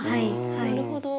なるほど。